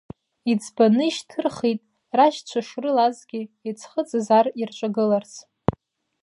Иӡбаны ишьҭырхит, рашьцәа шрылазгьы, иӡхыҵыз ар ирҿагыларц.